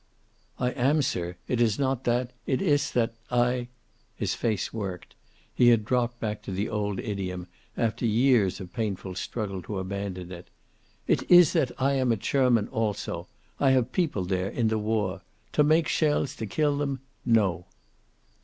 "I am, sir. It is not that. It iss that I " His face worked. He had dropped back to the old idiom, after years of painful struggle to abandon it. "It iss that I am a German, also. I have people there, in the war. To make shells to kill them no."